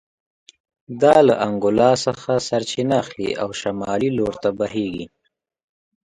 دا له انګولا څخه سرچینه اخلي او شمال لور ته بهېږي